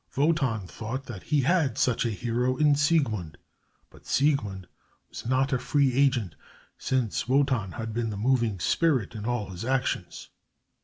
Wotan thought that he had such a hero in Siegmund, but Siegmund was not a free agent, since Wotan had been the moving spirit in all his actions.